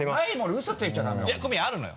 ウソついちゃダメよ。